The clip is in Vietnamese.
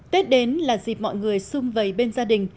tết đến là dịp mọi người xung vầy bên gia đình